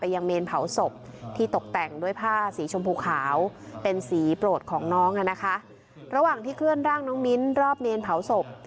ยังเมนเผาศพที่ตกแต่งด้วยผ้าสีชมพูขาวเป็นสีโปรดของน้องอ่ะนะคะระหว่างที่เคลื่อนร่างน้องมิ้นรอบเมนเผาศพ